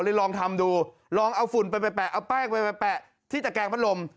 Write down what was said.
ลองทำดูลองเอาฝุ่นไปไปแปะเอาแป้งไปแปะที่ตะแกงพัดลม